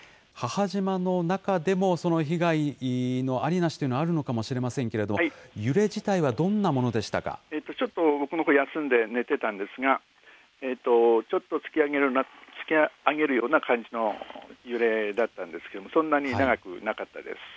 母島の中でも、その被害のありなしというのはあるのかもしれませんけれども、揺れ自体はどんなもちょっと休んで寝てたんですが、ちょっと突き上げるような感じの揺れだったんですけども、そそうですか。